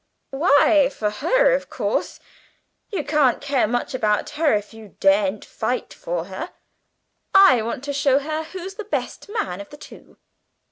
"Why, for her, of course. You can't care much about her if you daren't fight for her. I want to show her who's the best man of the two!"